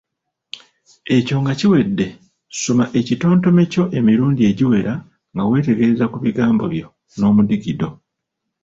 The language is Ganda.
Ekyo nga kiwedde, soma ekitontome kyo emirundi egiwera nga wetegereza ku bigambo byo n’omudigido.